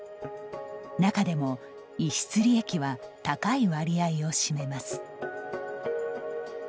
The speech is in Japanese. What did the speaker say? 中でも、逸失利益は高い割合を占めます。